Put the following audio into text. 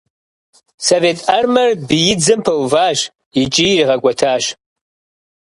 Совет Армэр биидзэм пэуващ икӏи иригъэкӏуэтащ.